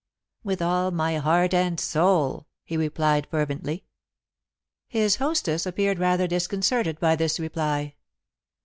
"With all my heart and soul," he replied fervently. His hostess appeared rather disconcerted by this reply.